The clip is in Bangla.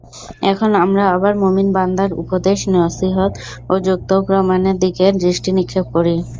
এখন আমরা আবার মুমিন বান্দার উপদেশ, নসীহত ও যুক্তি-প্রমাণের দিকে দৃষ্টি নিক্ষেপ করি।